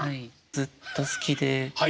ずっと好きで。